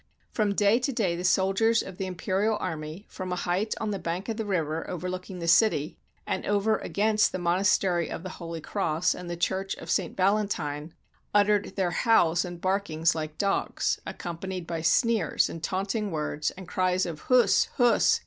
From day to day the soldiers of the imperial army, from a height on the bank of the river overlooking the city, and over against the Monastery of the Holy Cross and the Church of St. Valentine, uttered their howls and barkings like dogs, accompanied by sneers and taunting words, and cries of "Huss, Huss!